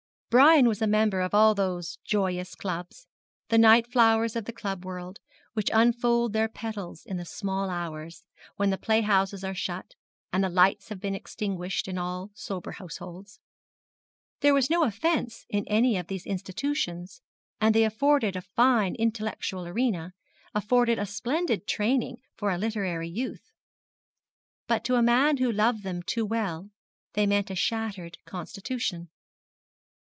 Brian was a member of all those joyous clubs the night flowers of the club world, which unfold their petals in the small hours, when the playhouses are shut, and the lights have been extinguished in all sober households. There was no offence in any of these institutions, and they offered a fine intellectual arena, afforded a splendid training for literary youth: but to a man who loved them too well they meant a shattered constitution.